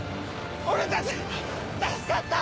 俺たち助かった！